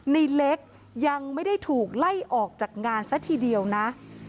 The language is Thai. ในเล็กยังไม่ได้ถูกไล่ออกจากงานซะทีเดียวนะ